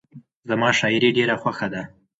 زما شاعري ډېره خوښه ده.